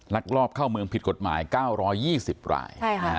ลักลอบเข้าเมืองผิดกฎหมาย๙๒๐ราย